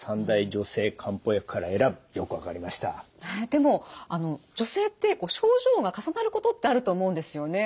でも女性って症状が重なることってあると思うんですよね。